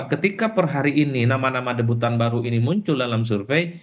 ketika per hari ini nama nama debutan baru ini muncul dalam survei